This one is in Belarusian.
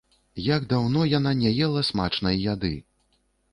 Як даўно яна не ела смачнай яды!